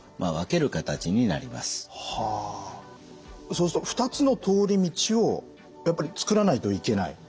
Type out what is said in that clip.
そうすると２つの通り道をやっぱり作らないといけない？